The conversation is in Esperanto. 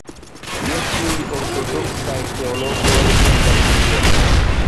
Ne ĉiuj ortodoksaj teologoj pensas tiel.